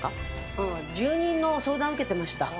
ああ住人の相談を受けてました。